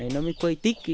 nó mới quay tích